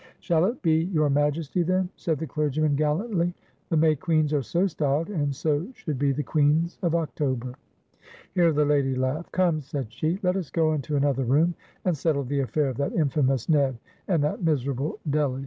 "Shall it be Your Majesty, then?" said the clergyman, gallantly; "the May Queens are so styled, and so should be the Queens of October." Here the lady laughed. "Come," said she, "let us go into another room, and settle the affair of that infamous Ned and that miserable Delly."